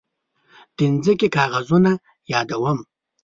د ځمکې کاغذونه يادوم.